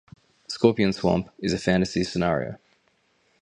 "Scorpion Swamp" is a fantasy scenario.